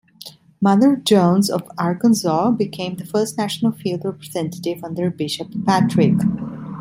Mother Jones of Arkansas became the first National Field Representative under Bishop Patrick.